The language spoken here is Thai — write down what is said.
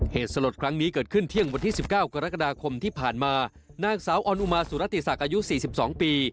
เหตุสลดครั้งนี้เกิดขึ้นเที่ยงวันที่๑๙กรกฎาคมที่ผ่านมานางสาวออนอุมาสุรติศักดิ์อายุ๔๒ปี